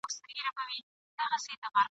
د غلا تعویذ !.